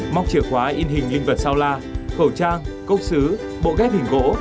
móc chìa khóa in hình linh vật sau la khẩu trang cốc xứ bộ ghép hình gỗ